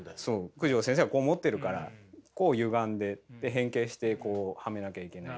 九条先生がこう持ってるからこうゆがんで変形してこうはめなきゃいけないし。